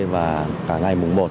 và cả ngày mùng một